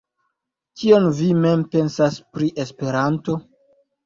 Kion vi mem pensas pri Esperanto?